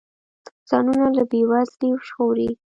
ځانونه له بې وزلۍ وژغوري.